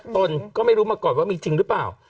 ตนก็ไม่รู้มาก่อนว่ามีจริงหรือเปล่า